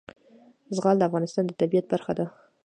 زغال د افغانستان د طبیعت برخه ده.